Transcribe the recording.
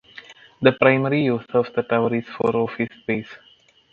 The primary use of the towers is for office space.